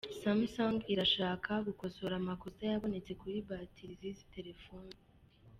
Samsung irashaka gukosora amakosa yabonetse kuri batiri z'izi telefone.